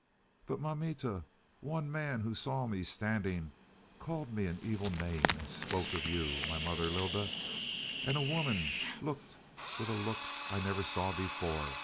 "But mamita, one man who saw me standing, called me an evil name and spoke of you, my mother Lylda. And a woman looked with a look I never saw before.